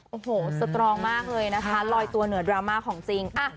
โอ้โหสตรองมากเลยนะคะลอยตัวเหนือดราม่าของจริง